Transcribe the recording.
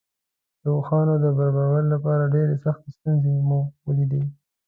د اوښانو د برابرولو لپاره ډېرې سختې ستونزې مو ولیدې.